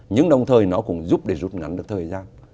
nhưng đồng thời nó cũng giúp để rút ngắn được thời gian